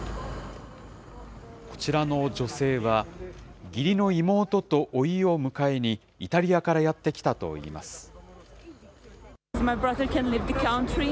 こちらの女性は、義理の妹とおいを迎えに、イタリアからやって来たといいます。